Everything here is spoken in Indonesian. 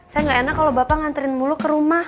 saya gak enak kalau bapak nganterin mulu ke rumah